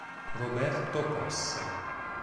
Roberto Posse